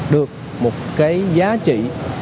được một cái giá trị